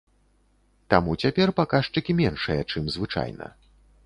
Таму цяпер паказчыкі меншыя, чым звычайна.